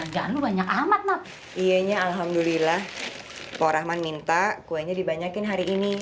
hai beragam banyak amat iya alhamdulillah porahman minta kuenya dibanyakin hari ini